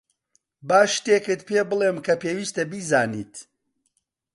با شتێکت پێبڵێم کە پێویستە بیزانیت.